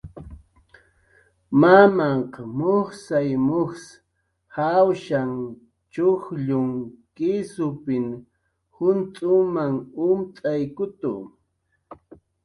Mamanhq mujsay mujs jawasha, chujllu, kisupin juncx'umas umt'aykutu.